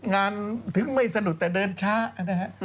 ถึงไม่สะดุดแต่เดินช้านะฮะ